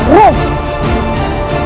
untuk aku kuasai sendiri